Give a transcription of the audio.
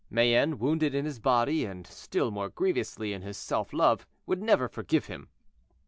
Mayenne, wounded in his body, and still more grievously in his self love, would never forgive him.